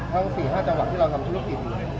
ทั้ง๔๕จังหวัดที่เราทำธุรกิจ